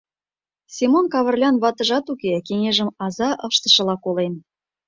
Семон Кавырлян ватыжат уке: кеҥежым аза ыштышыла колен.